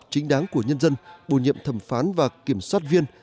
chính đáng của nhân dân bổ nhiệm thẩm phán và kiểm soát viên